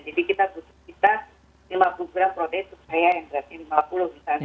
jadi kita butuh sekitar lima puluh gram protein supaya yang berarti lima puluh misalnya